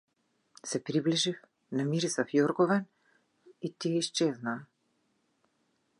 Се приближив, намирисав јоргован и тие исчезнаа.